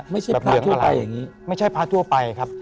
ไม่ใช่พระทั่วไปอย่างนี้ไม่ใช่พระทั่วไปครับ